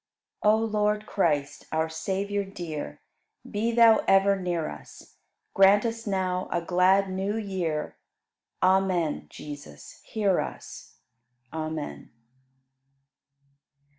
97. O Lord Christ, our Savior dear, Be Thou ever near us; Grant us now a glad New Year. Amen, Jesus, hear us! Amen.